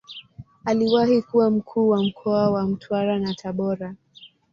Aliwahi kuwa Mkuu wa mkoa wa Mtwara na Tabora.